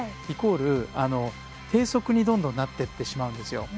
イコール、低速にどんどんなっていってしまうんです。